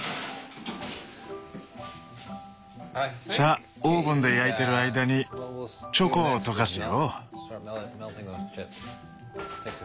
さあオーブンで焼いてる間にチョコを溶かすよ。